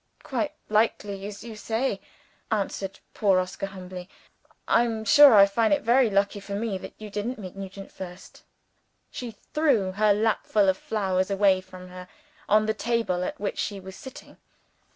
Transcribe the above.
"Quite likely as you say," answered poor Oscar, humbly. "I am sure I think it very lucky for me, that you didn't meet Nugent first." She threw her lapful of flowers away from her on the table at which she was sitting.